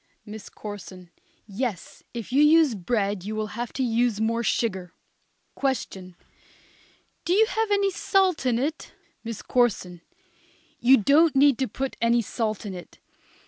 MISS CORSON. Yes, if you use bread you would have to use more sugar. Question. Do you have any salt in it? MISS CORSON. You don't need to put any salt in it.